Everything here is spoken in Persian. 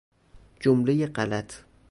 جملهی غلط